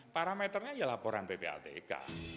parameternya ya laporan ppatk